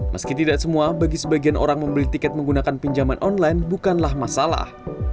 meski tidak semua bagi sebagian orang membeli tiket menggunakan pinjaman online bukanlah masalah